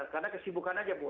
karena kesibukan saja bu